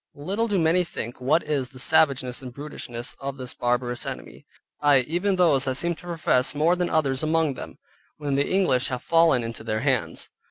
Little do many think what is the savageness and brutishness of this barbarous enemy, Ay, even those that seem to profess more than others among them, when the English have fallen into their hands.